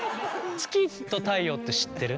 月と太陽って知ってる？